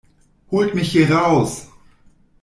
Holt mich hier raus!